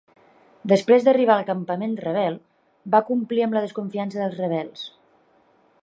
Després d'arribar al campament rebel, va complir amb la desconfiança dels rebels.